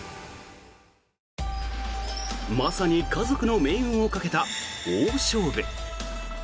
まさに家族の命運をかけた大勝負。